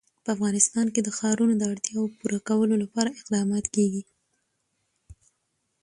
په افغانستان کې د ښارونه د اړتیاوو پوره کولو لپاره اقدامات کېږي.